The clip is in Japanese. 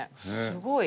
すごい！